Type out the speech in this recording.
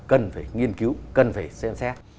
cần phải nghiên cứu cần phải xem xét